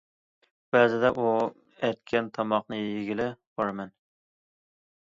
بەزىدە ئۇ ئەتكەن تاماقنى يېگىلى بارىمەن.